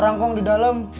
orang kong di dalem